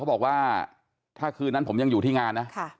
บอกว่าถ้าคืนนั้นผมยังอยู่ที่งานนะ